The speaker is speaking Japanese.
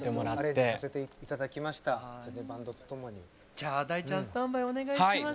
じゃあ大ちゃんスタンバイお願いします。